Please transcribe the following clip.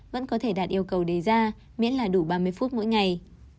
vẫn có thể đạt yêu cầu đề ra miễn là đủ ba mươi phút mỗi ngày